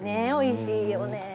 おいしいよね。